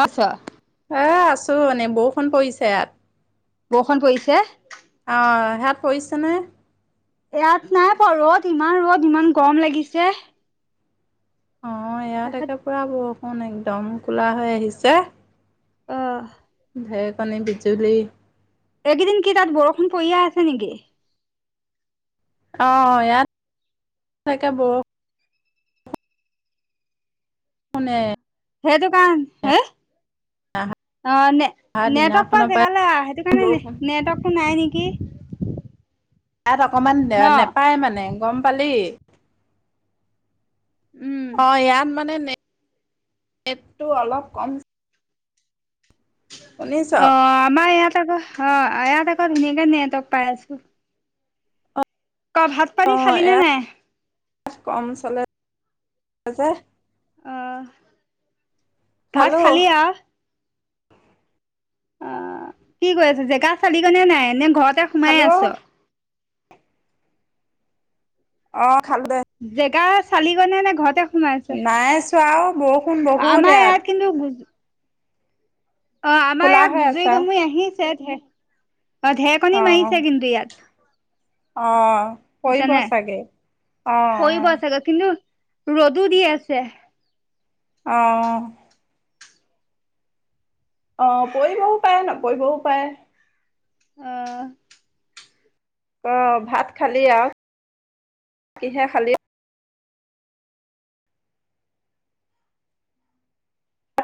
অ ছ এ আছো এনেই বৰষুণ পৰিছে ইয়াত বৰষুণ পৰিছে অ সেয়াত পৰিছেনে ইয়াত নাই পোৱা ৰ'দ ইমান ৰদ ইমান গৰম লাগিছে অ ইয়াত তাত একে পূৰা বৰষুণ একদম কোলা হৈ আহিছে অ ঢেৰেকনী বিজুলী এইকেইদিন কি তাত বৰষুণ পৰিয়ে আছে নিকি অ ইয়াত তাকে বৰ বৰষুণে সেইটো কাৰনে হে অ নে অহা নেটৱৰ্ক পোৱা দিনাখনৰ পৰাই জেগালে আহ সেইটো কাৰণে বৰষুণ নেটৱৰ্কটো নাই নিকি তাত অকমান দে ন নেপায় মানে গম পালি উম অ ইয়াত মানে নে নেটতো অলপ কম শুনিছ অ আমাৰ ইয়াত আকৌ অ ইয়াত আকৌ ধুনীয়াকে নেটৱৰ্ক পাই আছো ক ভাত পানী অ খালি নে নাই এয়াত কম চলে যে অহ ভাত খালো খালি আৱ অ কি কৰি আছ জেগা চালি গৈ নে নাই নে ঘৰতে খালো সোমাই আছ অ খালো দে জেগা চালি গৈনে নে ঘৰতে সোমাই আছ নাই চোৱা অ বৰষুণ বহুত আমাৰ ইয়াত এয়াত কিন্তু বুজি অ আমাৰ কোলা ইয়াত হৈ গুজুৰি আছে গুমৰি আহিছে ঢে অ ঢেৰকনি অ মাৰিছে কিন্তু ইয়াত অ পৰিব চাগে অ আহিব চাগৈ কিন্তু ৰ'দো দি আছে অ অ পৰিবও পাৰে নপৰিবও পাৰে অ অ ভাত খালি আৱ কিহে খালি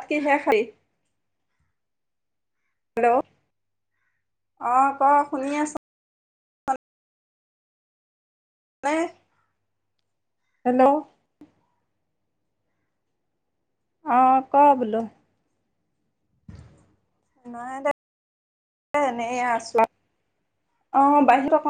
কি হে খালি? হেল্ল' অ ক শুনি আছো নে হেল্ল'। অ ক বোলো? নাই দেই এনে আছো। অ বাহিৰত অকণ